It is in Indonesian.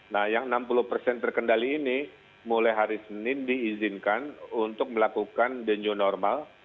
nah yang enam puluh persen terkendali ini mulai hari senin diizinkan untuk melakukan the new normal